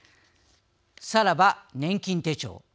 さらば、年金手帳。